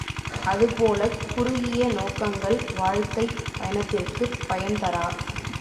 அதுபோலக் குறுகிய நோக்கங்கள் வாழ்க்கைப் பயணத்திற்குப் பயன்தரா.